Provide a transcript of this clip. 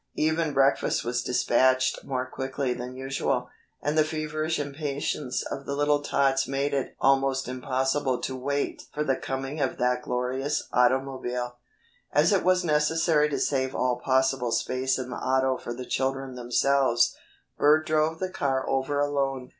Even breakfast was dispatched more quickly than usual, and the feverish impatience of the little tots made it almost impossible to wait for the coming of that glorious automobile. As it was necessary to save all possible space in the auto for the children themselves, Bert drove the car over alone.